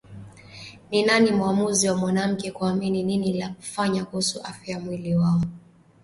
Ni nani muamuzi wa mwanamke kuamua nini la kufanya kuhusu afya na mwili wao?